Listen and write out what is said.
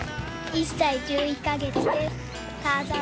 １歳１１カ月です。